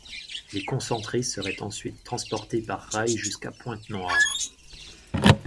Les concentrés seraient ensuite transportés par rail jusqu'à Pointe-Noire.